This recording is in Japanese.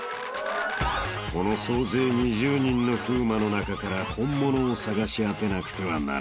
［この総勢２０人の風磨の中から本物を捜し当てなくてはならない］